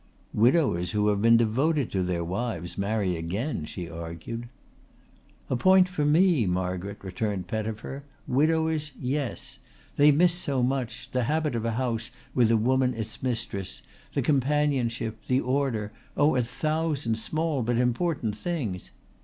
"Widowers who have been devoted to their wives marry again," she argued. "A point for me, Margaret!" returned Pettifer. "Widowers yes. They miss so much the habit of a house with a woman its mistress, the companionship, the order, oh, a thousand small but important things.